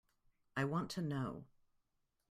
I want to know.